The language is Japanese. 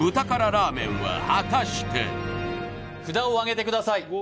ラーメンは果たして札をあげてください